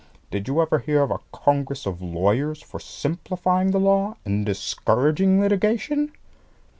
Did you ever hear of a congress of lawyers for simplifying the law and discouraging litigation?